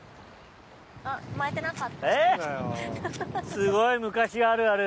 すごい昔あるある！